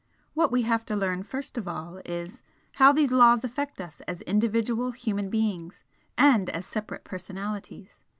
"What we have to learn first of all is, how these laws affect us as individual human beings and as separate personalities.